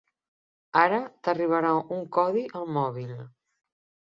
Ara t'arribarà un codi al mòbil.